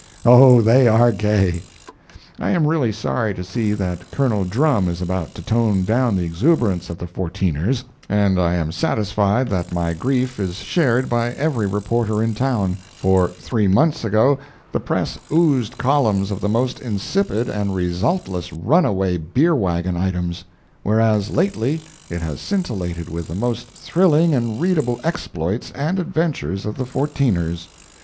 Oh, they are gay! I am really sorry to see that Col. Drumn is about to tone down the exuberance of the Fourteeners, and I am satisfied that my grief is shared by every reporter in town, for three months ago the press oozed columns of the most insipid and resultless run away beer wagon items; whereas lately it has scintillated with the most thrilling and readable exploits and adventures of the Fourteeners.